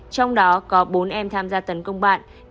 trong đó có bốn em tham gia tấn công bạn